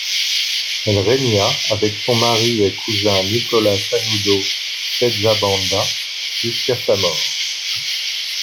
Elle régna avec son mari et cousin Nicolas Sanudo Spezzabanda jusqu'à sa mort.